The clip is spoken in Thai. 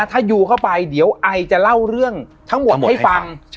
ถ้ายูเข้าไปเดี๋ยวไอจะเล่าเรื่องทั้งหมดให้ฟัง